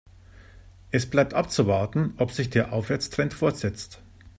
Es bleibt abzuwarten, ob sich der Aufwärtstrend fortsetzt.